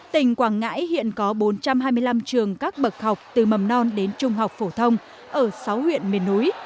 tỉnh quảng ngãi hiện có bốn trăm hai mươi năm trường các bậc học từ mầm non đến trung học phổ thông ở sáu huyện miền núi